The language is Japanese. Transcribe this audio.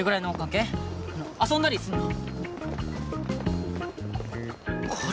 遊んだりすんの？